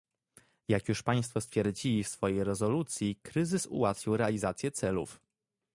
Jak już państwo stwierdzili w swojej rezolucji, kryzys ułatwił realizację celów